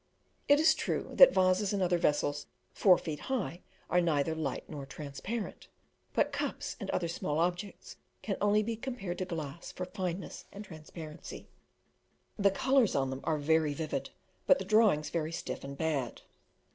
It is true that vases and other vessels four feet high are neither light nor transparent; but cups and other small objects can only be compared to glass for fineness and transparency. The colours on them are very vivid, but the drawings very stiff and bad.